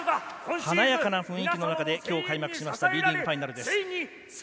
華やかな雰囲気の中できょう開幕したＢリーグファイナルです。